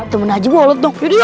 temen aja bolet dong yadilah